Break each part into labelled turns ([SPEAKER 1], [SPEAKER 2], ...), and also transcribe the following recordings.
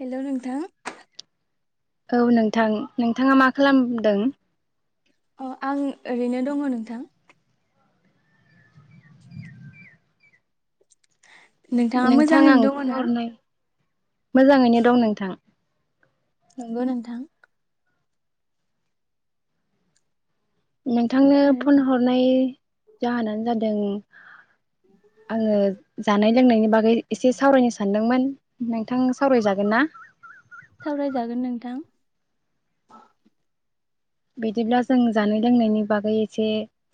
[SPEAKER 1] Hello नोंथां।
[SPEAKER 2] औ नोंथां नोंथाङा मा खालामदों?
[SPEAKER 1] अह आं ओरैनो दङ नोंथां। नोंथाङा
[SPEAKER 2] नोंथां आं
[SPEAKER 1] मोजाङैनो दङ
[SPEAKER 2] फन
[SPEAKER 1] ना?
[SPEAKER 2] हरनाय मोजाङैनो दं नोंथां।
[SPEAKER 1] नंगौ नोंथां।
[SPEAKER 2] नोंथांनो
[SPEAKER 1] ओ
[SPEAKER 2] फन हरनाय जाहोनानो जादों आङो जानाय लोंनायनि बागै एसे सावरायनो सानदोंमोन नोंथां सावरायजागोन ना?
[SPEAKER 1] सावरायजागोन नोंथां।
[SPEAKER 2] बिदिब्ला जों जानाय लोंनायनि बागै एसे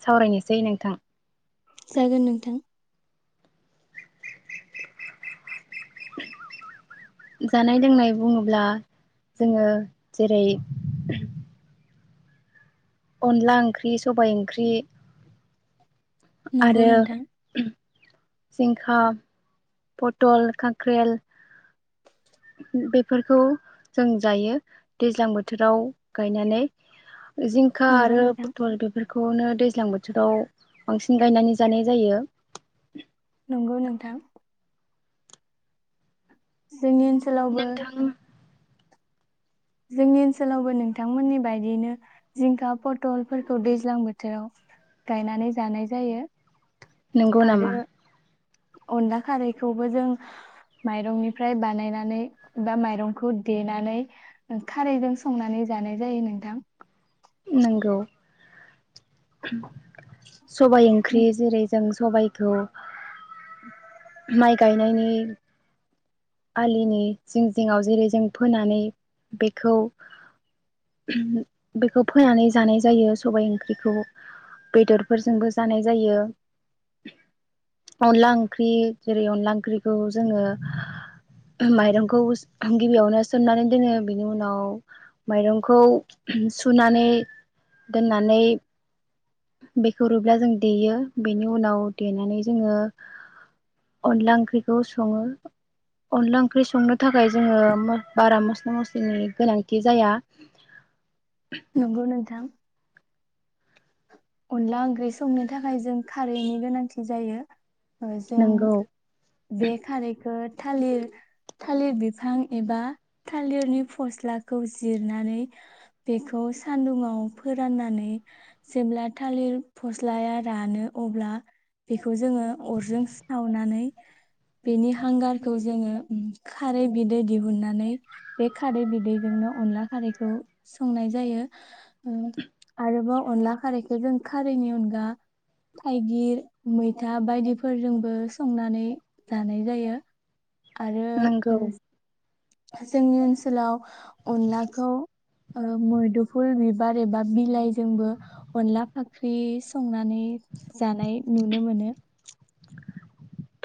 [SPEAKER 2] सावरायनोसै नोंथां?
[SPEAKER 1] जागोन नोंथां।
[SPEAKER 2] जानाय लोंनाय बुङोब्ला जोङो जेरै अनला ओंख्रि, सबाय ओंख्रि,
[SPEAKER 1] नंगौ
[SPEAKER 2] आरो
[SPEAKER 1] नोंथां
[SPEAKER 2] जिंखा, पथल, खांख्रेल बेफोरखौ जों जायो दैज्लां बोथोराव गायनानै। जिंखा
[SPEAKER 1] नंगौ
[SPEAKER 2] आरो
[SPEAKER 1] नोंथां
[SPEAKER 2] पथल बेफोर खौनो दैज्लां बोथोराव बांसिन गायनानै जानाय जायो।
[SPEAKER 1] नंगौ नोंथां। जोंनि ओनसोलावबो
[SPEAKER 2] नोंथां
[SPEAKER 1] जोंनि ओनसोलावबो नोंथांमोननि बायदियैनो जिंखा पथलफोरखौ दैज्लां बोथोराव गायनानै जानाय जायो।
[SPEAKER 2] नंगौ नामा?
[SPEAKER 1] आरो अनला खारैखौबो जों माइरंनिफ्राय बानायनानै बा माइरंखौ देनानै खारैजों संनानै जानाय जायो नोंथां।
[SPEAKER 2] नोंगौ। सबाइ ओंख्रि जेरै जों सबायखौ माइ गायनायनि आलिनि जिं जिङाव जेरै जों फोनानै बेखौ बेखौ फोनानै जानाय जायो। सबाय ओंख्रिखौ बेदरफोरजोंबो जानाय जायो। अनला ओंख्रि जेरै अनला ओंख्रिखौ जोङो माइरंखौ गिबियावनो सोमनानै दोनो बेनि उनाव माइरंखौ सुनानै दोननानै बेखौ रुइब्ला जों देयो बेनि उनाव देनानै जोङो अनला ओंख्रिखौ सङो। अनला ओंख्रि संनो थाखाय जोङो बारा मस्ला मस्लिनि गोनांथि जाया।
[SPEAKER 1] नंगौ नोंथां अनला ओंख्रि संनो थाखाय जों खारैनि गोनांथि जायो। ओ जों
[SPEAKER 2] नंगौ
[SPEAKER 1] बे खारैखो थालिर थालिर बिफां एबा थालिरनि फस्लाखौ जिरनानै बेखौ सान्दुंङाव फोराननानै जेब्ला थालिर फस्लाया रानो अब्ला बेखौ जोङो अरजों सावनानै बेनि हांगारखौ जोङो उम खारै बिदै दिहुननानै बे खारै बिदैजोंनो अनला खारैखौ संनाय जायो। ओं आरोबाव अनला खारैखौ जों खारैनि अनगा थाइगिर मैथा बायदिफोरजोंबो संनानै जानाय जायो। आरो
[SPEAKER 2] नंगौ
[SPEAKER 1] ओ जोंनि ओनसोलाव अनलाखौ ओ मैदुफुल बिबार एबा बिलाइजोंबो अनला फाख्रि संनानै जानाय नुनो मोनो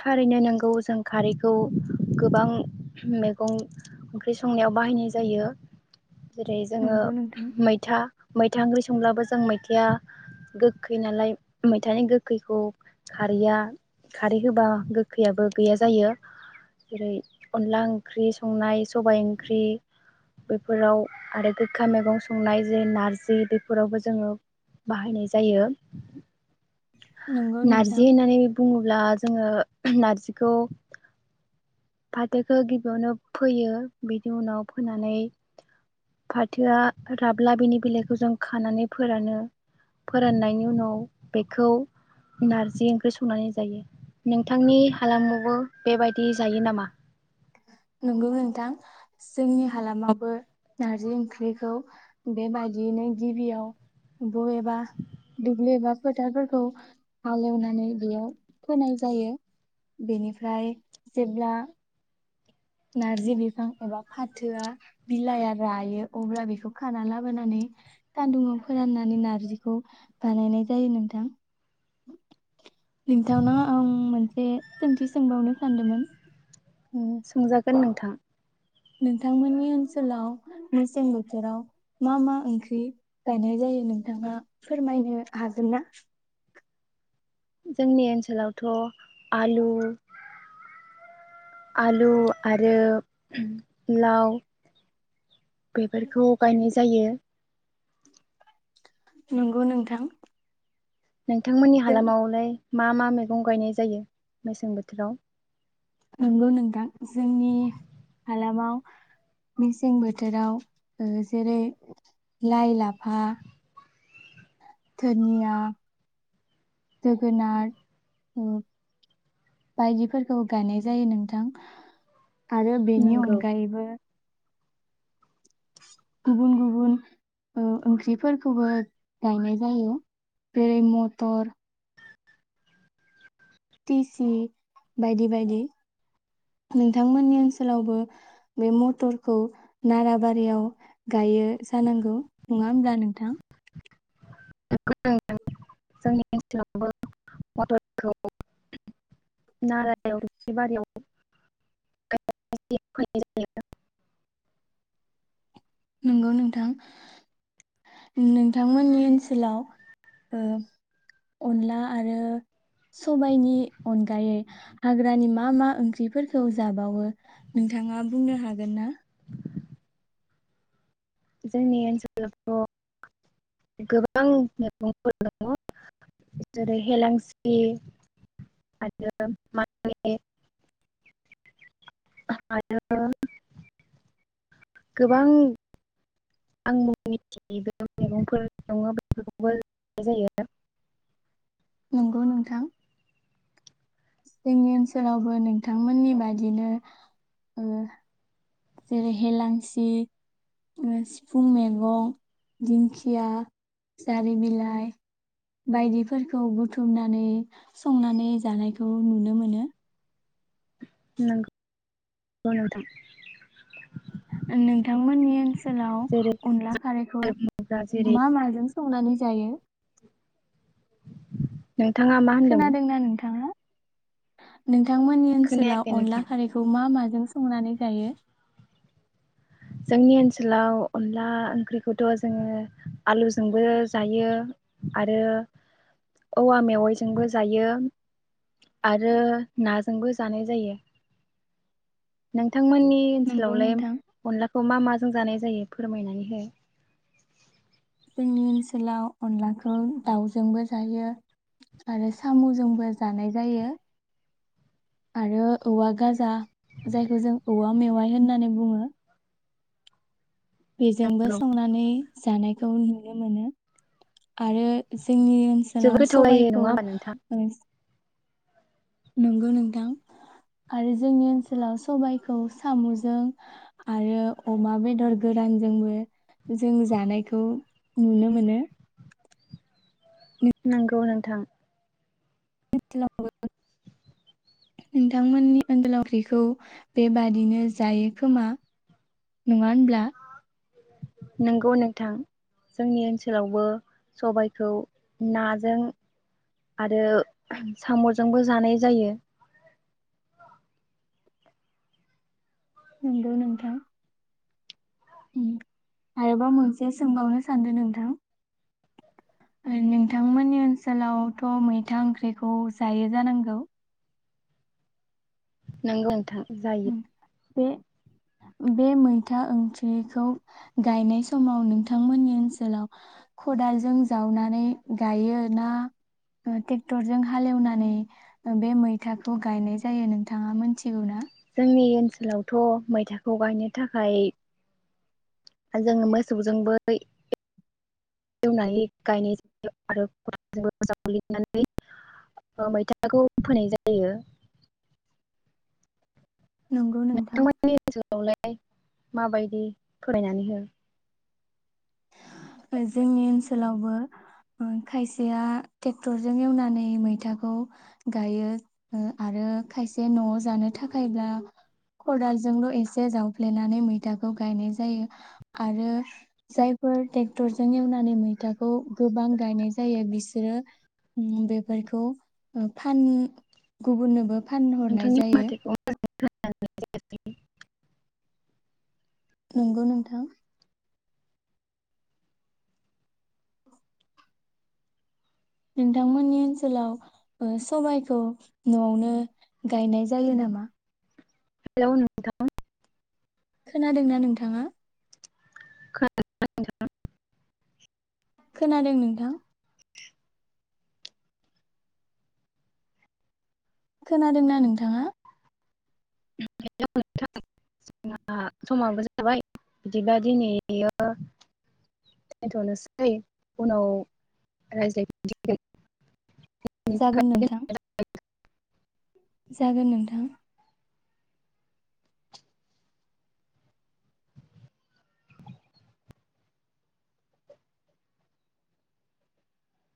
[SPEAKER 2] थारैनो नोंगौ जों खारैखौ गोबां मैगं ओंख्रि संनायाव बाहायनाय जायो जेरै जोंङो
[SPEAKER 1] नंगौ नोंथां
[SPEAKER 2] मैथा मैथा ओंख्रि संब्लाबो जों मैथायआ गोखै नालाय मैथानि गोखैखौ खारैया खारै होबा गोखैयाबो गैया जायो जेरै अनला ओंख्रि संनाय सबाय ओंख्रि बेफोराव आरो गोखा मैगं संनाय जे नारजि बेफोरावबो जोङो बाहायनाय जायो
[SPEAKER 1] नंगौ नोंथां
[SPEAKER 2] नारजि होनानै बुङोब्ला जोङो नारजिखौ फाथोखौ गिबियावनो फोयो बिनि उनाव फोनानै फाथोआ राब्ला बिनि बिलाइखौ जों खानानै फोरानो फोराननायनि उनाव बेखौ नारजि ओंख्रि संनानै जायो नोंथांनि हालामावबो बेबायदि दि जायो नामा?
[SPEAKER 1] नंगौ नोंथां जोंनि हालामावबो नारजि ओंख्रिखौ बेबायदियैनो गिबियाव बबेबा दुब्लि एबा फोथारफोरखौ हालेवनानै बेयाव फोनाय जायो बेनिफ्राय जेब्ला नारजि बिफां एबा फाथोआ बिलाइआ रायो अब्ला बेखौ खाना लाबोनानै सान्दुङाव फोराननानै नार्जिखौ बानायनाय जायो नोंथां नोंथावना आं मोनसे सोंथि सोंबावनो सानदोंमोन उम
[SPEAKER 2] सोंजागोन नोंथां
[SPEAKER 1] नोंथांमोननि ओनसोलाव मेसें बोथोराव मा मा ओंख्रि गायनाय जायो नोंथाङा फोरमायनो हागोन ना?
[SPEAKER 2] जोंनि ओनसोलावथ' आलु आलु आरो लाव बेफोरखौ गायनाय जायो।
[SPEAKER 1] नंगौ नोंथां
[SPEAKER 2] नोंथांमोननि
[SPEAKER 1] जों
[SPEAKER 2] हालामावलाय मा मा मैगं गायनाय जायो मेसें बोथोराव
[SPEAKER 1] नंगौ नोंथां जोंनि हालामाव मेसें बोथोराव जेरै लाइ लाफा धोनिया जोगोनार ओम बायदिफोरखौ गायनाय जायो नोंथां आरो बेनि
[SPEAKER 2] नंगौ
[SPEAKER 1] अनगायैबो गुबुन गुबुन ओ ओंख्रिफोरखौबो गायनाय जायो जेरै मटर टिसि बायदि बायदि नोंथांमोननि ओनसोलावबो बे मटरखौ नाराबारियाव गायो जानांगौ नङा होमब्ला नोंथां
[SPEAKER 2] नंगौ नोंथां जोंनि ओनसोलावबो मटरखौ नालायाव दुब्लि बारियाव फोनाय जायो
[SPEAKER 1] नंगौ नोंथां नोंथांमोननि ओनसोलाव ओ अनला आरो सबायाइनि अनगायै हाग्रानि मा मा ओंख्रिफोरखौ जाबावो नोंथाङा बुंनो हागोन ना
[SPEAKER 2] जोंनि ओनसोलावथ' गोबां मैगंफोर दङ जेरै हेेलांसि आरो मानदे आरो गोबां आं मिथियो बे मैगंफोर दंङ बेबो जायो
[SPEAKER 1] नंगौ नोंथां जोंनि ओनसोलावबो नोंथांमोननि बादिनो ओ जेरै हेेलांसि सिफुं मैगं दिंखिया जारि बिलाइ बायदिफोरखौ बुथुमनानै संनानै जानायखौ नुनो मोनो
[SPEAKER 2] नों गौ नोंथां
[SPEAKER 1] नोंथांमोननि ओनसोलाव
[SPEAKER 2] जेरै
[SPEAKER 1] अनला खारैखौ
[SPEAKER 2] बुङोब्ला जेरै
[SPEAKER 1] मा माजों संनानै जायो?
[SPEAKER 2] नोंथांङा मा होनदोंमोन
[SPEAKER 1] नों थांमोननि
[SPEAKER 2] खोनायाखै
[SPEAKER 1] ओनसोलाव अनला
[SPEAKER 2] नोंथां
[SPEAKER 1] खारैखौ मा मा जों संनानै जायो
[SPEAKER 2] जोंनि ओनसोलाव अनला ओंख्रिखौथ' जोङो आलुजोंबो जायो आरो औवा मेवाइजोंबो जायो आरो नाजोंबो जानाय जायो नोंथां थांमोननि
[SPEAKER 1] नंगौ
[SPEAKER 2] ओनसोलावलाय
[SPEAKER 1] नोंथां।
[SPEAKER 2] अनलाखौ मा मा जानाय जायो फोरमायनानै हो
[SPEAKER 1] जोंनि ओनसोलाव अनलाखौ दाउजोंबो जायो आरो साम'जोंबो जानाय जायो आरो औवा गाजा जायखौ जों औवा मेवाइ होननानै बुङो बेजोंबो संनानै जानायखौ नुनो मोनो आरो जोंनि
[SPEAKER 2] जोबोद
[SPEAKER 1] ओनसोलाव
[SPEAKER 2] गोथाव जायो
[SPEAKER 1] सबाइखौ
[SPEAKER 2] नङा होमबा नोंथां
[SPEAKER 1] ओ नोंगौ नोंथां आरो जोंनि ओनसोलाव सबायखौ साम'जों आरो अमा बेदर गोरानजोंबो जों जानायखौ नुनो मोनो
[SPEAKER 2] नोंगौ नोंथां
[SPEAKER 1] नोंथांमोननि ओनगोलाव ओख्रिखौ बेबादिनो जायो खोमा नङा होनब्ला
[SPEAKER 2] नोंगौ नोंथां जोंनि ओनसोलावबो सबायखौ नाजों आरो साम'जोंबो जानाय जायो
[SPEAKER 1] नंगौ नोंथां आरोबाव मोनसे सोंबावनो सानदों नोंथां नो नोंथांमोननि ओनसोलावथ' मैथा ओंख्रिखौ जायो जानांगौ
[SPEAKER 2] नोंगौ नोंथां जायो
[SPEAKER 1] उम बे बे मैथा ओंख्रिखौ गायनाय समाव नोंथांमोननि ओनसोलाव खदालजों जावनानै गायो ना ओ टेक्टरजों हालेवनानै बे मैथाखौ गायनाय जायो नोंथाङा मोनथिगौ ना
[SPEAKER 2] जोंनि ओनसोलावथ' मैथाखौ गायनो थाखाय जोङो मोसौजोंबो एवनानै गायनाय जायो आरो खदालजोंबो जावग्लिनानै मैथाखौ फोनाय जायो।
[SPEAKER 1] नंगौ नोंथां
[SPEAKER 2] आवलाय माबायदि फोरमायनानै हो
[SPEAKER 1] ओ जोंनि ओनसोलावबो ओ खायसेया टेक्टरजों एवनानै मैथाखौ गायो ओ आरो खायसे न'आव जानो थाखायब्ला खदालजोंल' एसे जावफ्लेनानै मैथाखौ गायनाय जायो आरो जाय फोर टेक्टरजों एवनानै मैथाखौ गोबां गायनाय जायो बिसोरो ओम बेफोरखौ ओ फान गुबुननोबो फानहरनाय
[SPEAKER 2] नोंथांनि
[SPEAKER 1] जायो
[SPEAKER 2] माथोखौ [unintelligible]
[SPEAKER 1] नंगौ नोंथां नोंथांमोननि ओनसोलाव ओ सबायखौ न'आवनो गायनाय जायो नामा
[SPEAKER 2] हेलौ नोंथां
[SPEAKER 1] खोनादोंना नोंथाङा
[SPEAKER 2] [unintelligible]
[SPEAKER 1] खोनादों नोंथां खोनादोंना नोंथाङा
[SPEAKER 2] [unintelligible] जोंहा समाबो जाबाय बिदिबा दिनैयो [unintelligible] नोसै उनाव रायज्लायफिनसिगोन
[SPEAKER 1] जागोन नोंथां
[SPEAKER 2] [unintelligible]
[SPEAKER 1] जागोन नोंथां